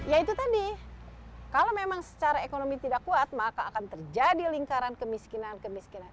ya itu tadi kalau memang secara ekonomi tidak kuat maka akan terjadi lingkaran kemiskinan kemiskinan